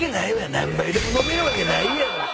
何杯でも飲めるわけないやろ。